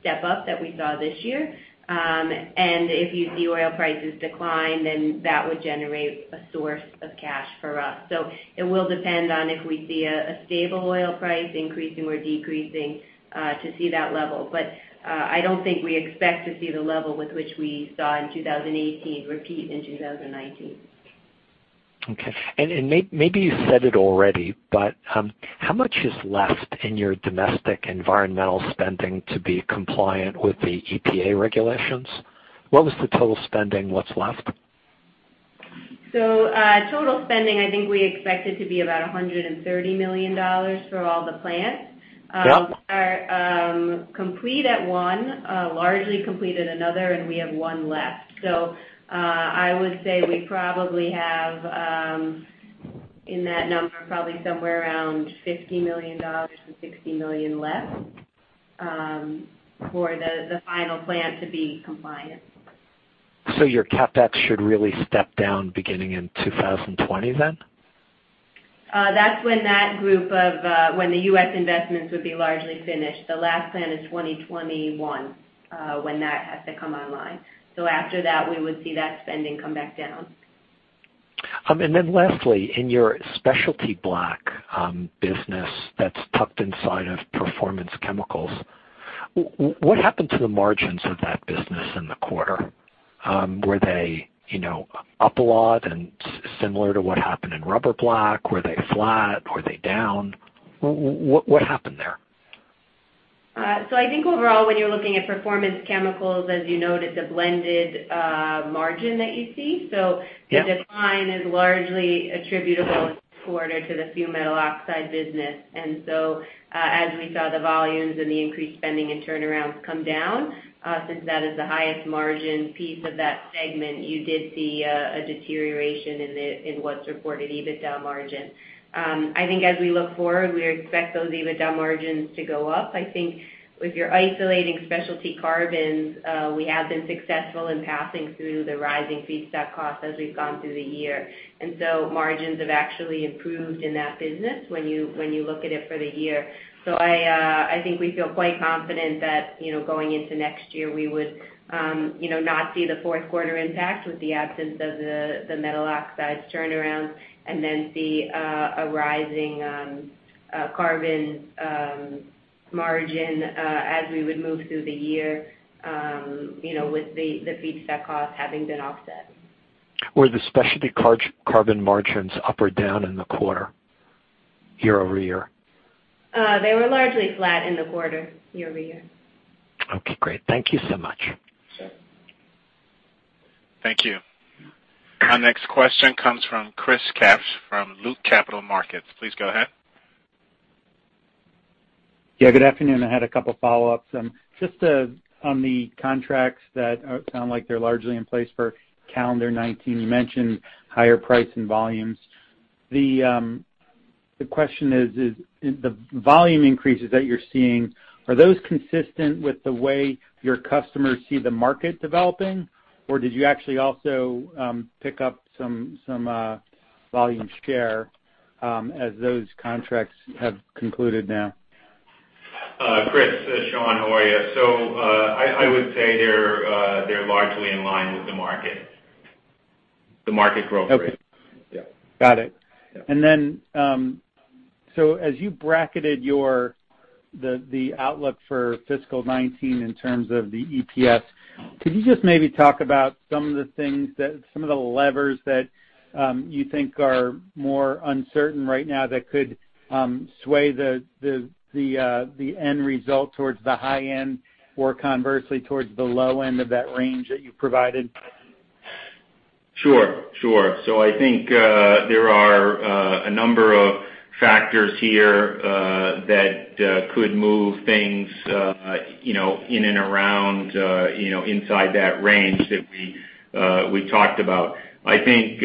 step up that we saw this year. If you see oil prices decline, then that would generate a source of cash for us. It will depend on if we see a stable oil price increasing or decreasing to see that level. I don't think we expect to see the level with which we saw in 2018 repeat in 2019. Okay. Maybe you said it already, but how much is left in your domestic environmental spending to be compliant with the EPA regulations? What was the total spending? What's left? Total spending, I think we expect it to be about $130 million for all the plants. Yep. We are complete at one, largely complete at another, and we have one left. I would say we probably have, in that number, probably somewhere around $50 million to $60 million left for the final plant to be compliant. Your CapEx should really step down beginning in 2020 then? That's when the U.S. investments would be largely finished. The last plan is 2021, when that has to come online. After that, we would see that spending come back down. Lastly, in your specialty black business that's tucked inside of Performance Chemicals, what happened to the margins of that business in the quarter? Were they up a lot and similar to what happened in rubber blacks? Were they flat? Were they down? What happened there? I think overall, when you're looking at Performance Chemicals, as you noted, the blended margin that you see. Yeah. The decline is largely attributable this quarter to the fumed metal oxide business. As we saw the volumes and the increased spending and turnarounds come down, since that is the highest margin piece of that segment, you did see a deterioration in what's reported EBITDA margin. I think as we look forward, we expect those EBITDA margins to go up. I think if you're isolating specialty carbons, we have been successful in passing through the rising feedstock costs as we've gone through the year. Margins have actually improved in that business when you look at it for the year. I think we feel quite confident that going into next year, we would not see the fourth quarter impact with the absence of the Metal Oxides turnaround, and then see a rising carbon margin as we would move through the year with the feedstock costs having been offset. Were the specialty carbon margins up or down in the quarter year-over-year? They were largely flat in the quarter year-over-year. Okay, great. Thank you so much. Sure. Thank you. Our next question comes from Chris Kapsch from Loop Capital Markets. Please go ahead. Yeah, good afternoon. I had a couple of follow-ups. Just on the contracts that sound like they're largely in place for calendar 2019, you mentioned higher price and volumes. The question is, the volume increases that you're seeing, are those consistent with the way your customers see the market developing, or did you actually also pick up some volume share as those contracts have concluded now? Chris, it's Sean. How are you? I would say they're largely in line with the market growth rate. Okay. Yeah. Got it. Yeah. As you bracketed the outlook for fiscal 2019 in terms of the EPS, could you just maybe talk about some of the levers that you think are more uncertain right now that could sway the end result towards the high end, or conversely, towards the low end of that range that you provided? Sure. I think there are a number of factors here that could move things in and around inside that range that we talked about. I think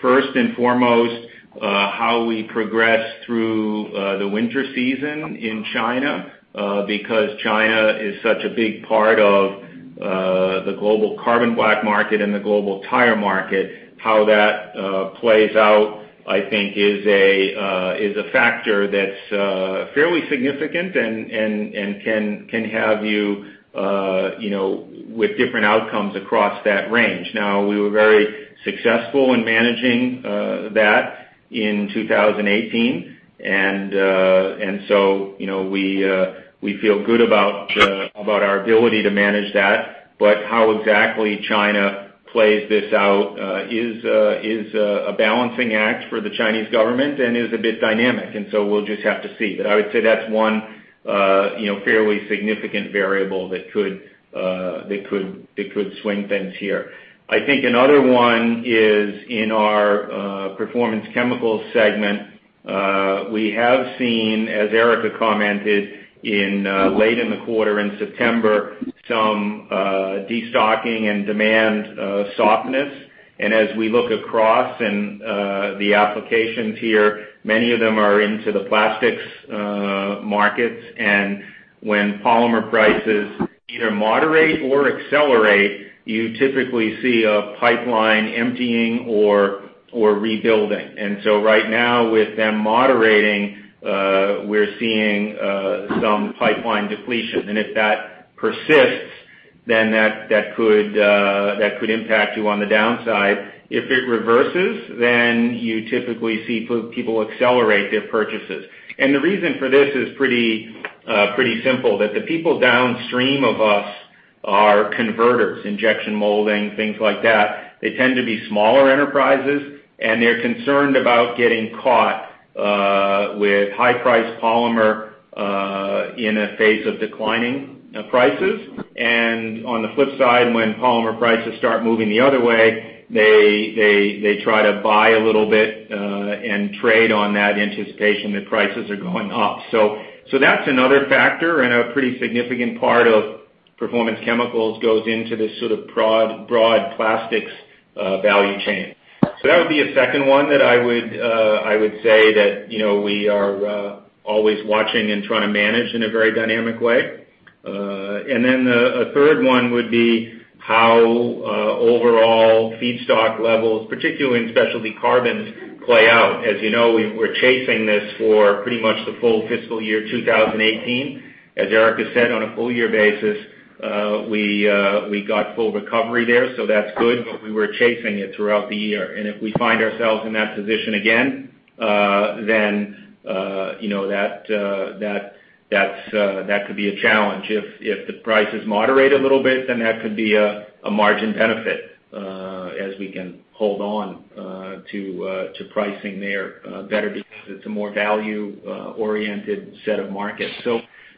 first and foremost, how we progress through the winter season in China. Because China is such a big part of the global carbon black market and the global tire market. How that plays out, I think, is a factor that's fairly significant and can have you with different outcomes across that range. Now, we were very successful in managing that in 2018. We feel good about our ability to manage that. How exactly China plays this out is a balancing act for the Chinese government and is a bit dynamic, we'll just have to see. I would say that's one fairly significant variable that could swing things here. I think another one is in our Performance Chemicals segment. We have seen, as Erica commented late in the quarter in September, some de-stocking and demand softness. As we look across in the applications here, many of them are into the plastics markets. When polymer prices either moderate or accelerate, you typically see a pipeline emptying or rebuilding. Right now, with them moderating, we are seeing some pipeline depletion. If that persists, then that could impact you on the downside. If it reverses, then you typically see people accelerate their purchases. The reason for this is pretty simple, that the people downstream of us are converters, injection molding, things like that. They tend to be smaller enterprises, and they are concerned about getting caught with high price polymer in a phase of declining prices. On the flip side, when polymer prices start moving the other way, they try to buy a little bit and trade on that anticipation that prices are going up. That's another factor, and a pretty significant part of Performance Chemicals goes into this sort of broad plastics value chain. That would be a second one that I would say that we are always watching and trying to manage in a very dynamic way. Then a third one would be how overall feedstock levels, particularly in specialty carbons, play out. As you know, we were chasing this for pretty much the full fiscal year 2018. As Erica has said, on a full year basis, we got full recovery there, so that's good. We were chasing it throughout the year. If we find ourselves in that position again, then that could be a challenge. If the prices moderate a little bit, then that could be a margin benefit as we can hold on to pricing there better because it's a more value-oriented set of markets.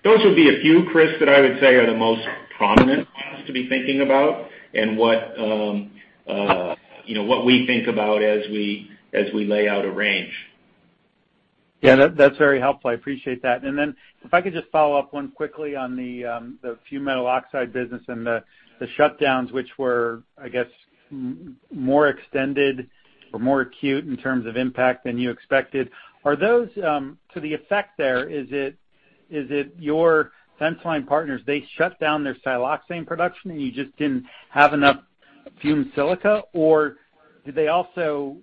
Those would be a few, Chris, that I would say are the most prominent ones to be thinking about and what we think about as we lay out a range. Yeah. That's very helpful. I appreciate that. Then if I could just follow up one quickly on the fumed metal oxide business and the shutdowns, which were, I guess, more extended or more acute in terms of impact than you expected. To the effect there, is it your fence line partners, they shut down their siloxane production and you just didn't have enough fumed silica? Or did they also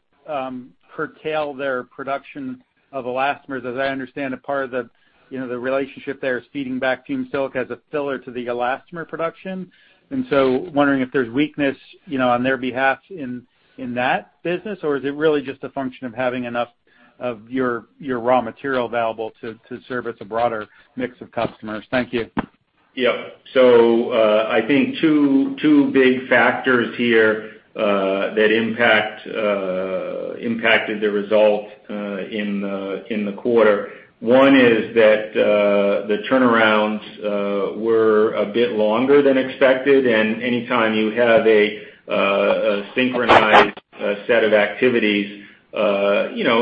curtail their production of elastomers? As I understand it, part of the relationship there is feeding back fumed silica as a filler to the elastomer production. Wondering if there's weakness on their behalf in that business, or is it really just a function of having enough of your raw material available to serve as a broader mix of customers? Thank you. I think two big factors here that impacted the result in the quarter. One is that the turnarounds were a bit longer than expected, and anytime you have a synchronized set of activities,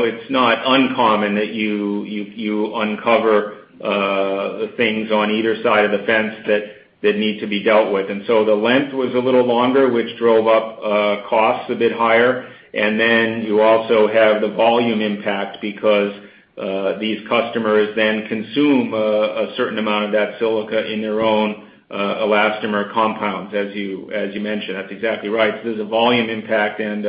it's not uncommon that you uncover things on either side of the fence that need to be dealt with. The length was a little longer, which drove up costs a bit higher. You also have the volume impact because these customers then consume a certain amount of that silica in their own elastomer compounds, as you mentioned. That's exactly right. There's a volume impact and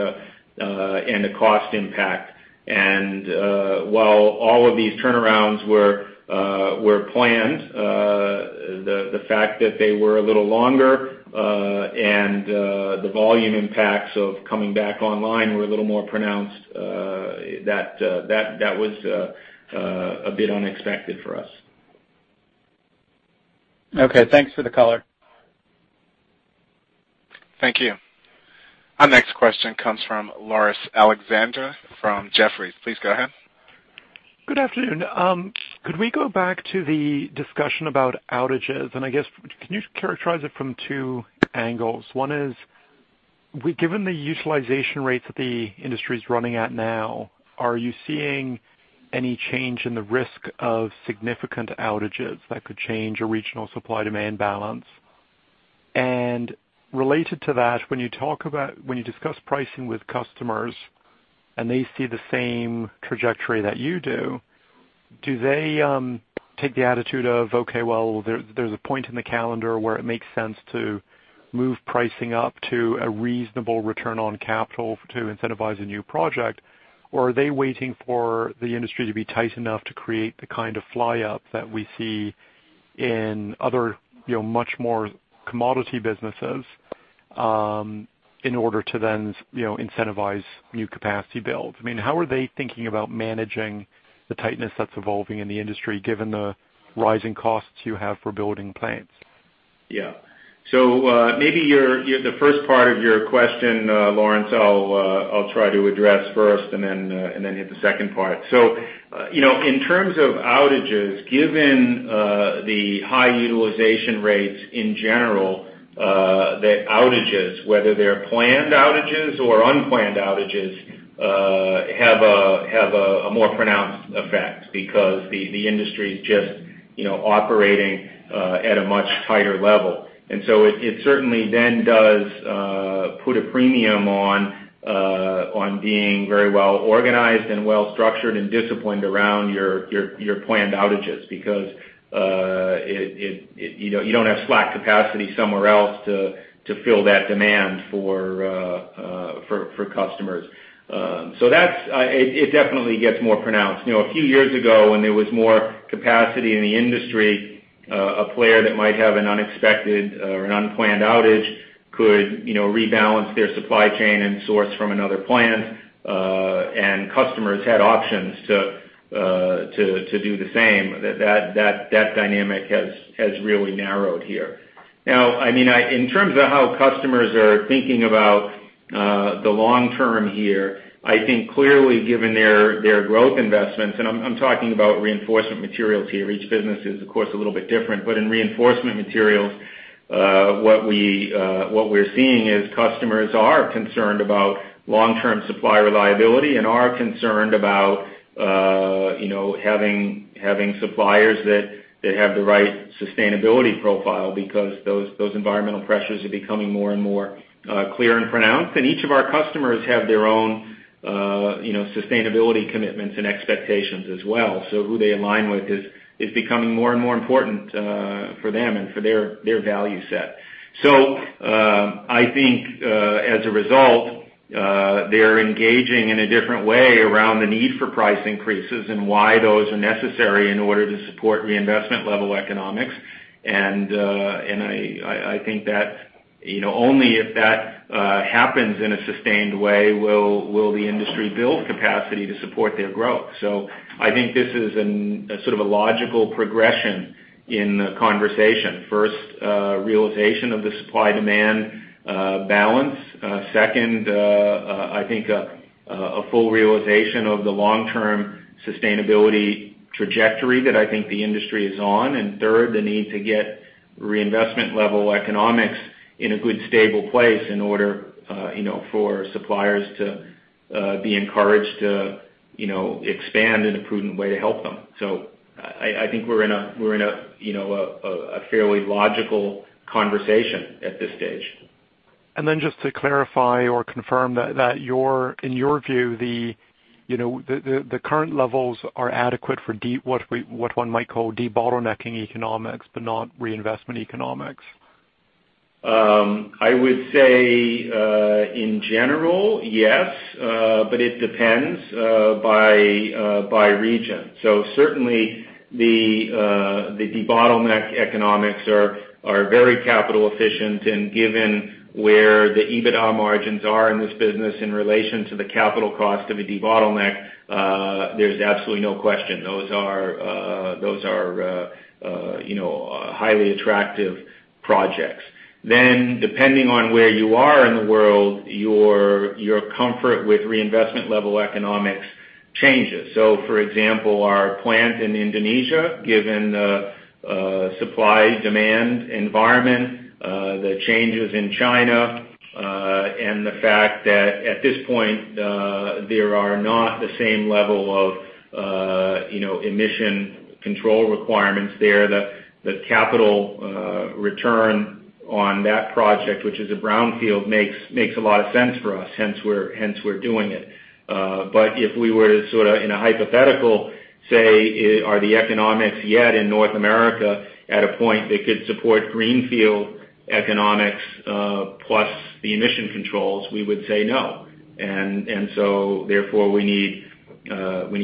a cost impact. While all of these turnarounds were planned, the fact that they were a little longer, and the volume impacts of coming back online were a little more pronounced, that was a bit unexpected for us. Okay. Thanks for the color. Thank you. Our next question comes from Laurence Alexander from Jefferies. Please go ahead. Good afternoon. Could we go back to the discussion about outages, can you characterize it from two angles? One is, given the utilization rates that the industry's running at now, are you seeing any change in the risk of significant outages that could change a regional supply-demand balance? Related to that, when you discuss pricing with customers and they see the same trajectory that you do they take the attitude of, okay, well, there's a point in the calendar where it makes sense to move pricing up to a reasonable return on capital to incentivize a new project? Or are they waiting for the industry to be tight enough to create the kind of fly up that we see in other much more commodity businesses in order to then incentivize new capacity builds? How are they thinking about managing the tightness that's evolving in the industry, given the rising costs you have for building plants? Yeah. Maybe the first part of your question, Laurence, I'll try to address first, and then hit the second part. In terms of outages, given the high utilization rates in general, the outages, whether they're planned outages or unplanned outages have a more pronounced effect because the industry's just operating at a much tighter level. It certainly then does put a premium on being very well organized and well-structured, and disciplined around your planned outages because you don't have slack capacity somewhere else to fill that demand for customers. It definitely gets more pronounced. A few years ago when there was more capacity in the industry, a player that might have an unexpected or an unplanned outage could rebalance their supply chain and source from another plant. Customers had options to do the same. That dynamic has really narrowed here. Now, in terms of how customers are thinking about the long term here, I think clearly given their growth investments, and I'm talking about Reinforcement Materials here. Each business is of course a little bit different, but in Reinforcement Materials, what we're seeing is customers are concerned about long-term supply reliability and are concerned about having suppliers that have the right sustainability profile because those environmental pressures are becoming more and more clear and pronounced. Each of our customers have their own sustainability commitments and expectations as well. Who they align with is becoming more and more important for them and for their value set. I think, as a result, they're engaging in a different way around the need for price increases and why those are necessary in order to support reinvestment level economics. I think that only if that happens in a sustained way will the industry build capacity to support their growth. I think this is a logical progression in the conversation. First, realization of the supply-demand balance. Second, I think a full realization of the long-term sustainability trajectory that I think the industry is on. Third, the need to get reinvestment level economics in a good stable place in order for suppliers to be encouraged to expand in a prudent way to help them. I think we're in a fairly logical conversation at this stage. Just to clarify or confirm that in your view, the current levels are adequate for what one might call debottlenecking economics, but not reinvestment economics. I would say, in general, yes. It depends by region. Certainly the debottleneck economics are very capital efficient. Given where the EBITDA margins are in this business in relation to the capital cost of a debottleneck, there's absolutely no question. Those are highly attractive projects. Depending on where you are in the world, your comfort with reinvestment level economics changes. For example, our plant in Indonesia, given the supply-demand environment, the changes in China, and the fact that at this point, there are not the same level of emission control requirements there, the capital return on that project, which is a brownfield, makes a lot of sense for us, hence we're doing it. If we were to, in a hypothetical, say, are the economics yet in North America at a point that could support greenfield economics, plus the emission controls, we would say no. Therefore, we need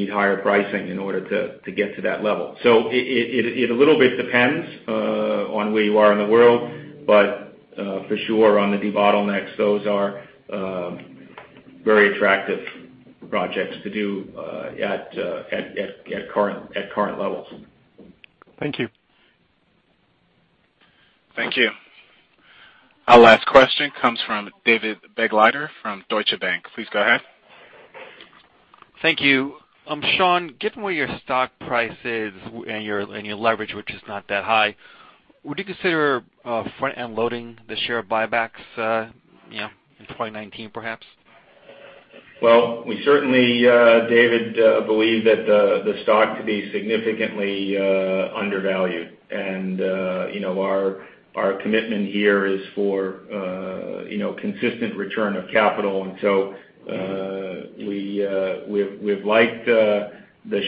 higher pricing in order to get to that level. It a little bit depends on where you are in the world. For sure on the debottlenecks, those are very attractive projects to do at current levels. Thank you. Thank you. Our last question comes from David Begleiter from Deutsche Bank. Please go ahead. Thank you. Sean, given where your stock price is and your leverage, which is not that high, would you consider front-end loading the share buybacks in 2019 perhaps? Well, we certainly, David, believe that the stock could be significantly undervalued. Our commitment here is for consistent return of capital. We've liked the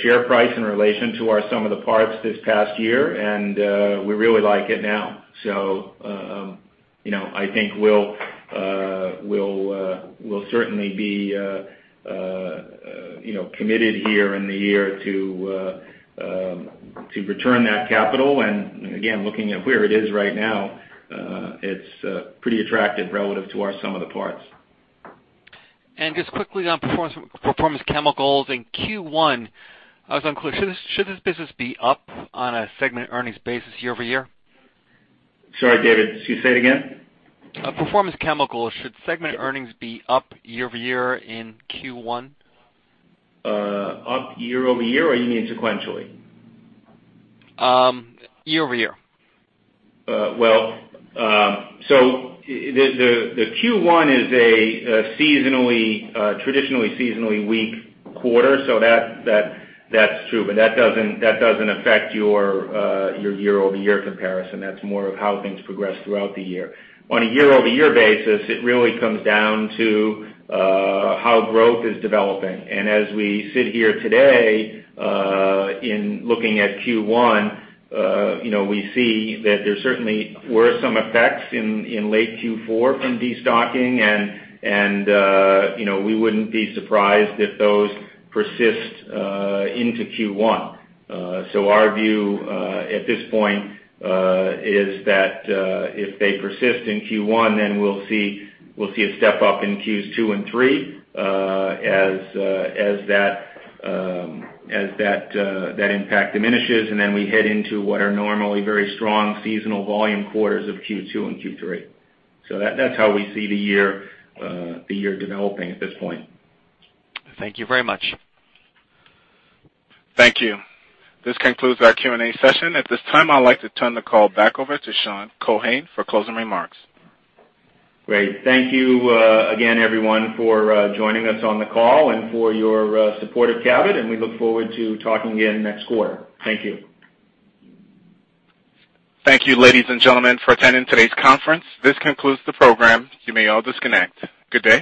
share price in relation to our sum of the parts this past year, and we really like it now. I think we'll certainly be committed here in the year to return that capital. Again, looking at where it is right now, it's pretty attractive relative to our sum of the parts. Just quickly on Performance Chemicals in Q1, I was unclear. Should this business be up on a segment earnings basis year-over-year? Sorry, David, could you say it again? Performance Chemicals, should segment earnings be up year-over-year in Q1? Up year-over-year, or you mean sequentially? Year-over-year. Q1 is a traditionally seasonally weak quarter, that's true, but that doesn't affect your year-over-year comparison. That's more of how things progress throughout the year. On a year-over-year basis, it really comes down to how growth is developing. As we sit here today in looking at Q1, we see that there certainly were some effects in late Q4 from destocking and we wouldn't be surprised if those persist into Q1. Our view at this point is that if they persist in Q1, then we'll see a step up in Q2 and Q3 as that impact diminishes, and then we head into what are normally very strong seasonal volume quarters of Q2 and Q3. That's how we see the year developing at this point. Thank you very much. Thank you. This concludes our Q&A session. At this time, I'd like to turn the call back over to Sean Keohane for closing remarks. Thank you again everyone for joining us on the call and for your support of Cabot, and we look forward to talking again next quarter. Thank you. Thank you, ladies and gentlemen, for attending today's conference. This concludes the program. You may all disconnect. Good day.